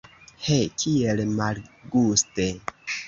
He, kiel malguste!